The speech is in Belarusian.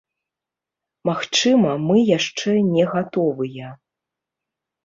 Магчыма, мы яшчэ не гатовыя.